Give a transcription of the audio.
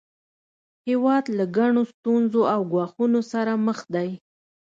هیواد له ګڼو ستونزو او ګواښونو سره مخ دی